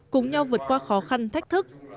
cùng nhau vượt qua khó khăn thách thức